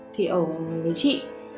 thì ở với chị